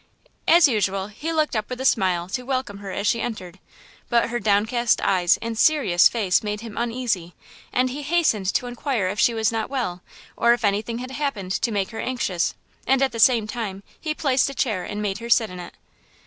As usual, he looked up with a smile to welcome her as she entered; but her downcast eyes and serious face made him uneasy, and he hastened to inquire if she was not well, or if anything had happened to make her anxious, and at the same time he placed a chair and made her sit in it.